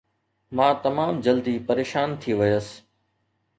مان تمام جلدي پريشان ٿي ويس